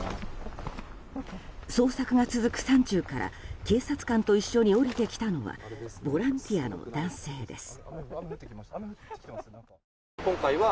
捜索が続く山中から警察官と一緒に下りてきたのはボランティアの男性です。